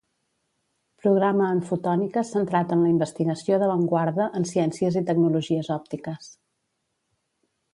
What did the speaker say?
Programa en fotònica centrat en la investigació d'avantguarda en ciències i tecnologies òptiques.